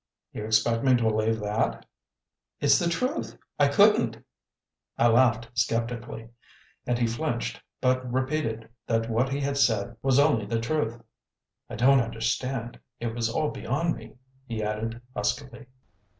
"You expect me to believe that?" "It's the truth; I couldn't!" I laughed sceptically; and he flinched, but repeated that what he had said was only the truth. "I don't understand; it was all beyond me," he added huskily.